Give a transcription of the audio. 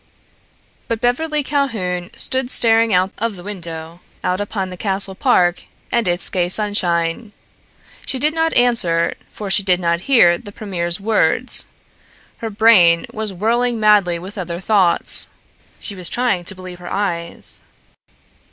But Beverly Calhoun stood staring out of the window, out upon the castle park and its gay sunshine. She did not answer, for she did not hear the premier's words. Her brain was whirling madly with other thoughts. She was trying to believe her eyes.